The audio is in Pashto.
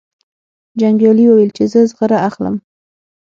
جنګیالي وویل چې زه زغره اخلم.